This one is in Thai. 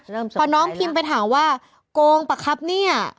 เริ่มสงสัยแล้วพอน้องพิมพ์ไปถามว่าโกงปะครับเนี่ย